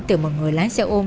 từ một người lái xe ôm